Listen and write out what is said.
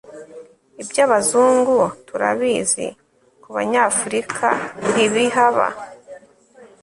ibyabazungu turabizi kubanyafrikantibihaba